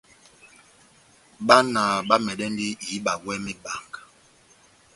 Bána bamɛdɛndi ihíba iwɛ mebanga.